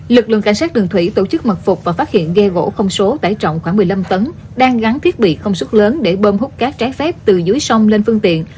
lực lượng cảnh sát đường thủy tổ chức mật phục và phát hiện ghe gỗ không số tải trọng khoảng một mươi năm tấn đang gắn thiết bị công suất lớn để bơm hút cát trái phép từ dưới sông lên phương tiện